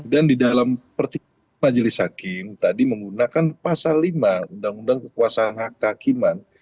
dan di dalam majelis hakim tadi menggunakan pasal lima undang undang kekuasaan hak kehakiman